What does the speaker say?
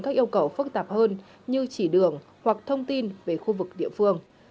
các yêu cầu phức tạp hơn như chỉ đường hoặc thông tin về khu vực địa phương